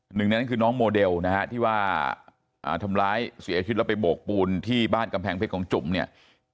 หนึ่งในนั้นคือน้องโมเดลนะฮะที่ว่าทำร้ายเสียชีวิตแล้วไปโบกปูนที่บ้านกำแพงเพชรของจุ่มเนี่ย